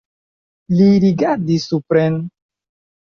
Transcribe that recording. Li rigardis supren.